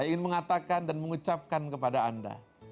saya ingin mengatakan dan mengucapkan kepada anda